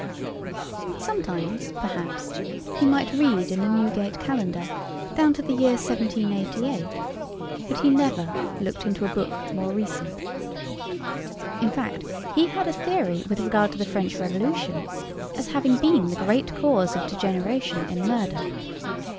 Sometimes, perhaps, he might read in the Newgate Calendar down to the year 1788, but he never looked into a book more recent. In fact, he had a theory with regard to the French Revolution, as having been the great cause of degeneration in murder.